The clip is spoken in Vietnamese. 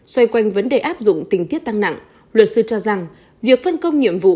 xoay quanh vấn đề áp dụng tình tiết tăng nặng luật sư cho rằng việc phân công nhiệm vụ